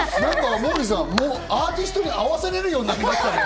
モーリーさん、アーティストに合わせられるようになってきた。